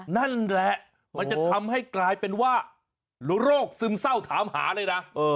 นั่นแหละมันจะทำให้กลายเป็นว่าโรคซึมเศร้าถามหาเลยนะ